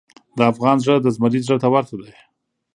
د افغان زړه د زمري زړه ته ورته دی.